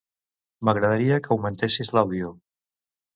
M'agradaria que augmentessis l'àudio.